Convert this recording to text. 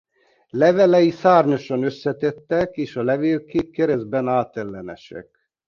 Levelei szárnyasan összetettek és a levélkék keresztben átellenesek.